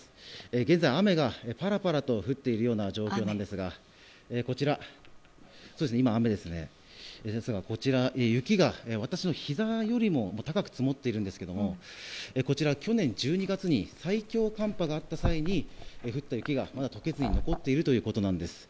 現在、雨がパラパラと降っている状況なんですがこちら、雪が私のひざよりも高く積もっているんですけどもこちら、去年１２月に最強寒波があった際に降った雪が解けずに残っているということです。